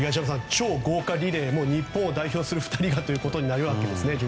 超豪華リレーを日本を代表する２人がとなるわけですね